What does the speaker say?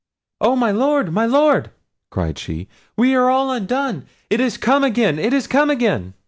"Oh! my Lord, my Lord!" cried she; "we are all undone! it is come again! it is come again!"